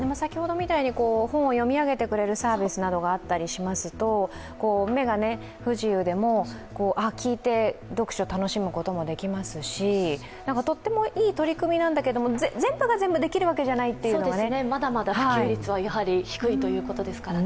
本を読み上げてくれるサービスなどがあったりしますと目が不自由でも、聞いて読書を楽しむことができますしとってもいい取り組みなんだけれども、全部が全部できるわけじゃないというのがね。